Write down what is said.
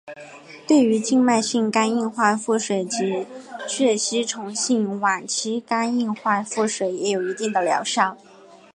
对门静脉性肝硬化腹水及血吸虫性晚期肝硬化腹水也有一定的疗效。